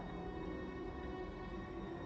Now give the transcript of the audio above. ที่ดิวไม่กล้าพูดมาตลอดระยะเวลาที่ดิวเคยโดน